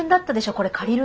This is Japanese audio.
これ借りるの。